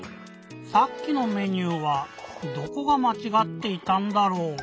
さっきのメニューはどこがまちがっていたんだろう？